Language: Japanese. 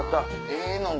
ええのん